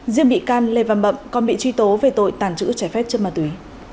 riêng bị can lê văn bậm còn bị truy tố về tội tàn trữ trẻ phép chân ma túy